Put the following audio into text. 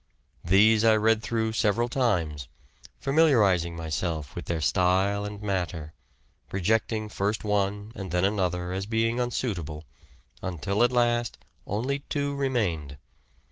These I read through several times, familiarizing myself with their style and matter, rejecting first one and then another as being unsuitable, until at last only two remained.